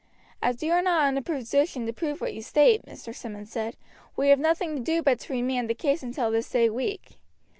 "As you are not in a position to prove what you state," Mr. Simmonds said, "we have nothing to do but to remand the case until this day week.